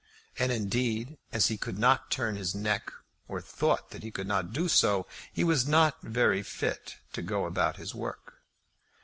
And indeed as he could not turn his neck, or thought that he could not do so, he was not very fit to go out about his work.